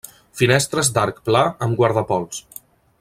Finestres d'arc pla amb guardapols.